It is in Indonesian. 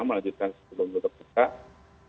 melainkan sistem pemilih tertutup